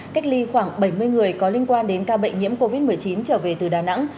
cách ly khoảng bảy mươi người có liên quan đến ca bệnh nhiễm covid một mươi chín trở về từ đà nẵng